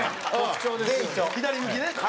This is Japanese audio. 左向きね。